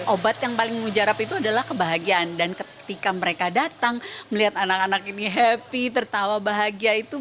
obat yang paling mengujarap itu adalah kebahagiaan dan ketika mereka datang melihat anak anak ini happy tertawa bahagia itu